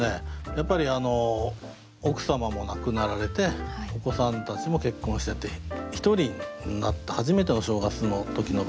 やっぱり奥様も亡くなられてお子さんたちも結婚してて１人になった初めての正月の時の場面なんですね。